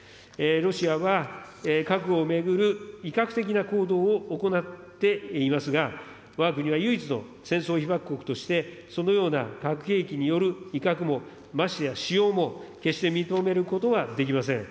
ロシアは核を巡る威嚇的な行動を行っていますが、わが国は唯一の戦争被爆国として、そのような核兵器による威嚇も、ましてや使用も決して認めることはできません。